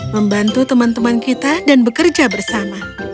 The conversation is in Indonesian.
membantu teman teman kita dan bekerja bersama